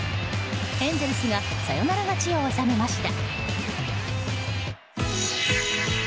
エンゼルスがサヨナラ勝ちを収めました。